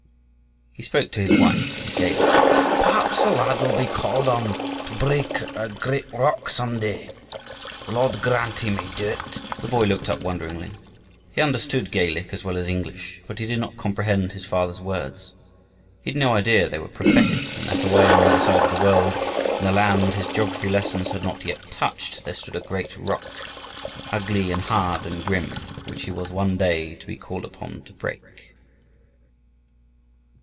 He spoke to his wife in Gaelic. "Perhaps the lad will be called to break a great rock some day. The Lord grant he may do it." The boy looked up wonderingly. He understood Gaelic as well as English, but he did not comprehend his father's words. He had no idea they were prophetic, and that away on the other side of the world, in a land his geography lessons had not yet touched, there stood a great rock, ugly and hard and grim, which he was one day to be called upon to break.